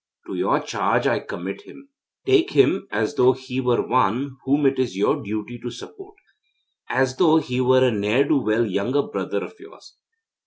To your charge I commit him. Take him as though he were one whom it is your duty to support as though he were a ne'er do well younger brother of yours.